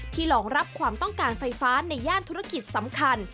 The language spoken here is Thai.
รองรับความต้องการไฟฟ้าในย่านธุรกิจสำคัญ